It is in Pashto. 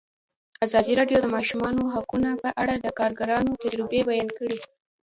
ازادي راډیو د د ماشومانو حقونه په اړه د کارګرانو تجربې بیان کړي.